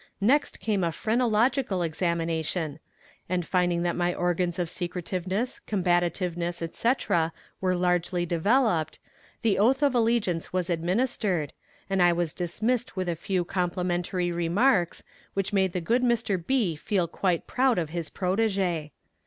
Next came a phrenological examination, and finding that my organs of secretiveness, combativeness, etc., were largely developed, the oath of allegiance was administered, and I was dismissed with a few complimentary remarks which made the good Mr. B. feel quite proud of his protege.